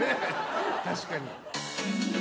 確かに。